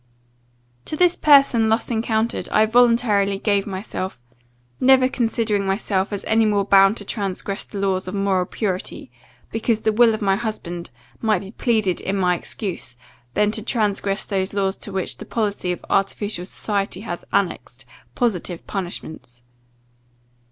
"To this person, thus encountered, I voluntarily gave myself, never considering myself as any more bound to transgress the laws of moral purity, because the will of my husband might be pleaded in my excuse, than to transgress those laws to which [the policy of artificial society has] annexed [positive] punishments.